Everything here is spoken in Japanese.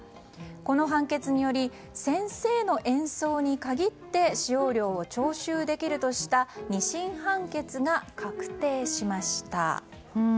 この判決により先生の演奏に限って使用料を徴収できるとした２審判決が確定しました。